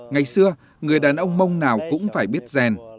ngày xưa người đàn ông mông nào cũng phải biết gen